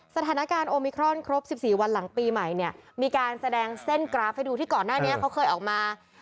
สถานการณ์โอมิครอนครบ๑๔วันหลังปีใหม่เนี่ยมีการแสดงเส้นกราฟให้ดูที่ก่อนหน้านี้เขาเคยออกมา